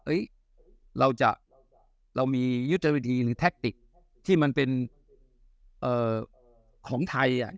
เราจะเรามียุทธวิธีหรือแท็กติกที่มันเป็นของไทย